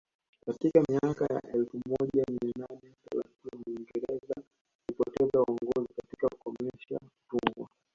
Katika miaka ya elfu moja mia nane thelathini Uingereza ilipoteza uongozi katika kukomesha utumwa